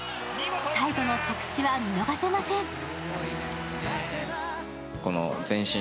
最後の着地は見逃せません。